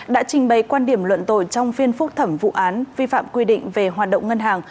đã trình bày quan điểm luận tội trong phiên phúc thẩm vụ án vi phạm quy định về hoạt động ngân hàng